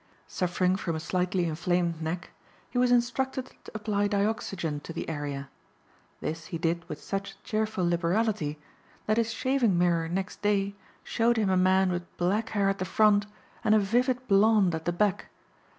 Suffering from a slightly inflamed neck he was instructed to apply dioxygen to the area. This he did with such cheerful liberality that his shaving mirror next day showed him a man with black hair at the front and a vivid blond at the back.